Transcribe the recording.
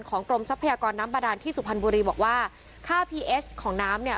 กรมทรัพยากรน้ำบาดานที่สุพรรณบุรีบอกว่าค่าพีเอสของน้ำเนี่ย